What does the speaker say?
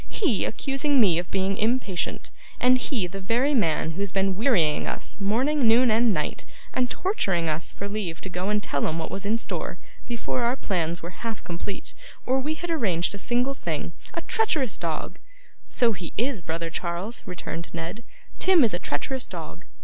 He accusing me of being impatient, and he the very man who has been wearying us morning, noon, and night, and torturing us for leave to go and tell 'em what was in store, before our plans were half complete, or we had arranged a single thing. A treacherous dog!' 'So he is, brother Charles,' returned Ned; 'Tim is a treacherous dog.